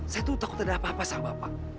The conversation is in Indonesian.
saya tuh takut ada apa apa sama bapak